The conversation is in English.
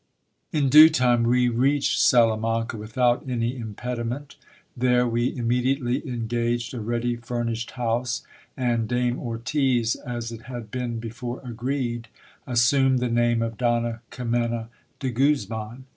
In due time we reached Salamanca without any impediment. There we immediately engaged a ready furnished house, and Dame Ortiz, as it had been before agreed, assumed the name of Donna Kimena de Guzman.